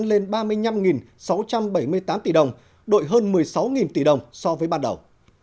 lên ba mươi năm sáu trăm bảy mươi tám tỷ đồng đội hơn một mươi sáu tỷ đồng so với ban đầu